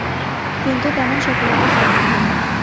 কিন্তু, তেমন সফলতা পাননি তিনি।